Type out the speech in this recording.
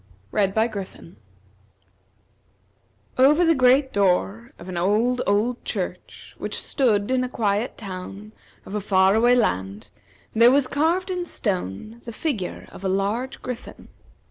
Over the great door of an old, old church which stood in a quiet town of a far away land there was carved in stone the figure of a large griffin.